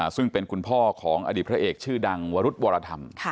ซึ่งเป็นคุณพ่อของอดีตพระเอกชื่อดังวรุธวรธรรม